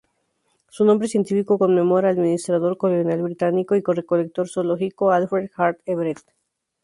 Su nombre científico conmemora al administrador colonial británico y recolector zoológico Alfred Hart Everett.